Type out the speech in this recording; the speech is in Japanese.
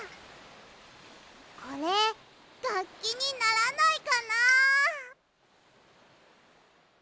これがっきにならないかな。